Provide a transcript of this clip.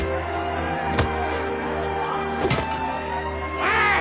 おい！